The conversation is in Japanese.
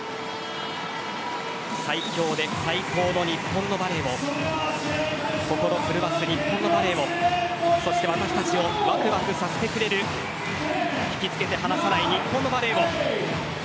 最強で最高の日本のバレーを心震わす日本のバレーも私たちをわくわくさせてくれる引きつけて離さない日本のバレー。